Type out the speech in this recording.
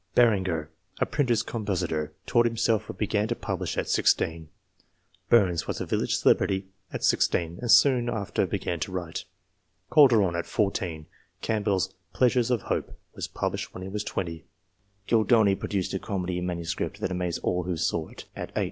Beranger, a printer's compositor, taught himself and began to publish at 16. Burns was a village celebrity at 16, and soon after began to write : Calderon at 14. Camp bell's " Pleasures of Hope " was published when he was 20. Goldoni produced a comedy in manuscript that amazed all who saw it, at 8.